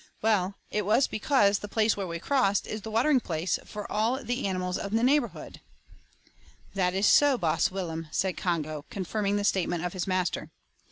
"Well, it was because the place where we crossed is the watering place for all the animals in the neighbourhood." "That is so, Baas Willem," said Congo, confirming the statement of his master.